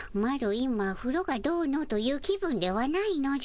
今ふろがどうのという気分ではないのじゃ。